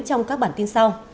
trong các bản tin sau